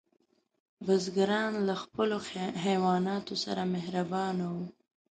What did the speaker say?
بزګران له خپلو حیواناتو سره مهربانه وو.